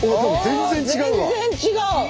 全然違う！